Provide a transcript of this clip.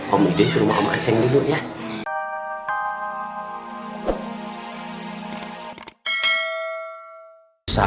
om idoi ke rumah om aceh dulu ya